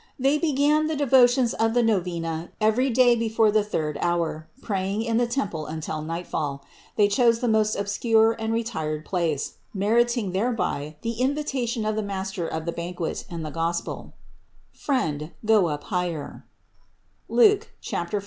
They began the devotions of the novena every day before the third hour, praying in the temple until nightfall. They chose the most obscure and retired place, meriting thereby the invitation of the master of the banquet in the Gospel : "Friend, go up higher" (Luke 14, 10).